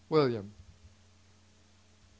William MRS.